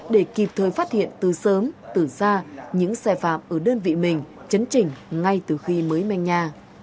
để kịp thời phát hiện từ sớm từ xa những xe phạm ở đơn vị mình chấn chỉnh ngay từ khi mới manh nhà